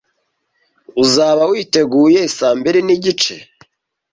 Uzaba witeguye saa mbiri n'igice?